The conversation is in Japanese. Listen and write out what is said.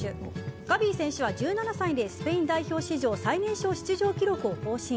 ガヴィ選手は１７歳でスペイン史上最年少出場記録を更新。